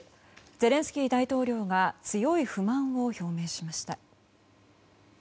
ゼレンスキー大統領が強い不満を表明しました。